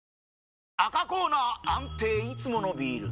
赤コーナー安定いつものビール！